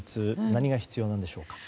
何が必要なんでしょうか。